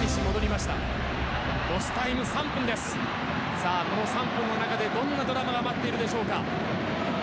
さあこの３分の中でどんなドラマが待っているでしょうか。